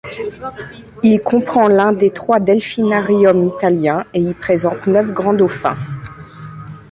Il comprend l'un des trois delphinariums italiens, et y présente neuf grands dauphins.